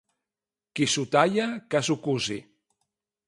Qui s'ho talla, que s'ho cusi.